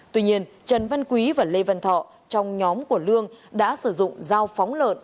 tuy nhiên trần văn quý và lê văn thọ trong nhóm của lương đã sử dụng dao phóng lợn